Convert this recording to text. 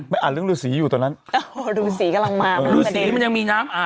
อ่านเรื่องฤษีอยู่ตอนนั้นโอ้โหรูสีกำลังมารูสีมันยังมีน้ำอ่า